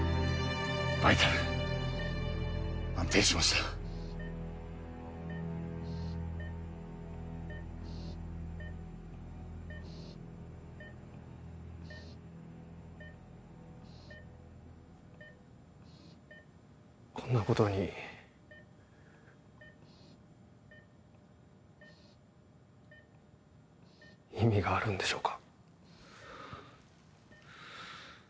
バイタル安定しましたこんなことに意味があるんでしょうか？